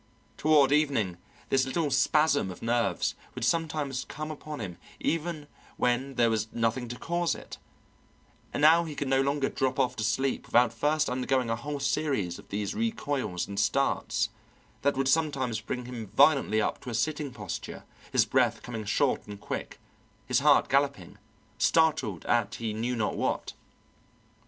Toward evening this little spasm of nerves would sometimes come upon him even when there was nothing to cause it, and now he could no longer drop off to sleep without first undergoing a whole series of these recoils and starts, that would sometimes bring him violently up to a sitting posture, his breath coming short and quick, his heart galloping, startled at he knew not what.